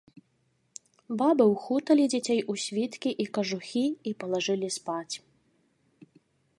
Бабы ўхуталі дзяцей у світкі і кажухі і палажылі спаць.